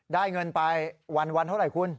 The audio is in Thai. ได้เงินไปวันเท่าไหร่คุณ